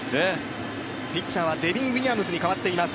ピッチャーはデビン・ウィリアムズに代わっています。